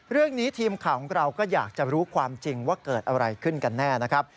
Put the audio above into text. ทีมข่าวของเราก็อยากจะรู้ความจริงว่าเกิดอะไรขึ้นกันแน่นะครับ